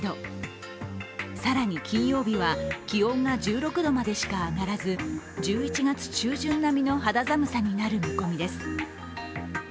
更に金曜日は気温が１６度までしか上がらず１１月中旬並みの肌寒さになる見込みです。